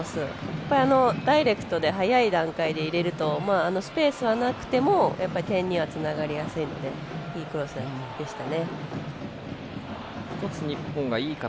やっぱり、ダイレクトで早い段階で入れるとスペースはなくても点にはつながりやすいので１つ、日本がいい形。